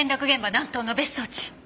南東の別荘地。